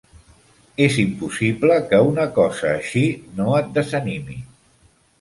És impossible que una cosa així no et desanimi.